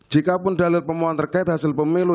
jika pun dalil pemohon terkait hasil pemilu